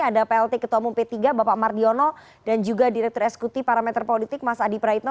ada plt ketua umum p tiga bapak mardiono dan juga direktur eskuti parameter politik mas adi praitno